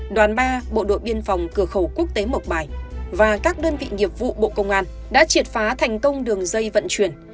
đoàn ba bộ đội biên phòng cửa khẩu quốc tế mộc bài và các đơn vị nghiệp vụ bộ công an đã triệt phá thành công đường dây vận chuyển